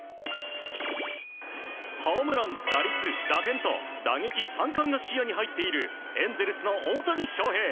ホームラン、打率、打点と打撃３冠が視野に入っているエンゼルスの大谷翔平。